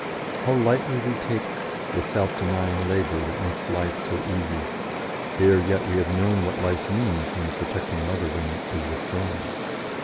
how lightly we take the self denying labour that makes life so easy, ere yet we have known what life means when the protecting motherwing is withdrawn.